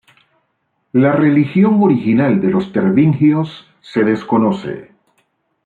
La religión original de los tervingios se desconoce.